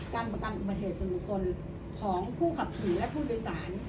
การประกันอุปเทศจริงบุคลของผู้ขับถือและผู้โดยสาร